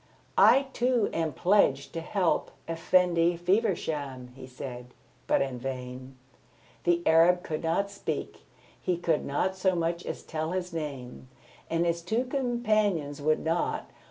"I too am pledged to help Effendi Feversham," he said, but in vain. The Arab could not speak, he could not so much as tell his name, and his companions would not.